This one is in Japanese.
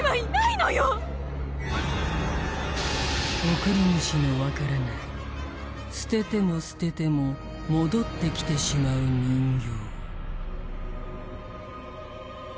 送り主のわからない捨てても捨てても戻ってきてしまう人形